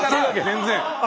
全然！